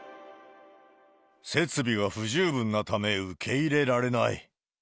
設備が不十分なため、受け入れられない。